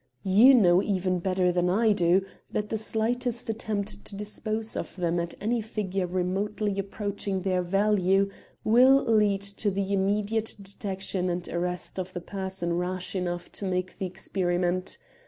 You know, even better than I do, that the slightest attempt to dispose of them at any figure remotely approaching their value will lead to the immediate detection and arrest of the person rash enough to make the experiment.